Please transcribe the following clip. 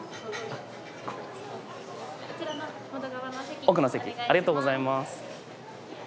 ありがとうございます。